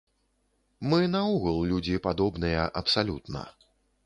Мы наогул людзі падобныя абсалютна.